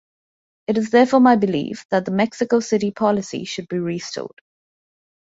It is therefore my belief that the Mexico City Policy should be restored.